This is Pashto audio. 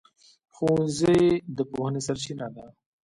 ښوونځی د پوهنې سرچینه ده.